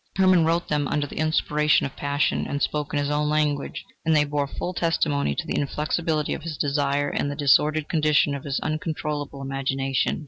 Hermann wrote them under the inspiration of passion, and spoke in his own language, and they bore full testimony to the inflexibility of his desire and the disordered condition of his uncontrollable imagination.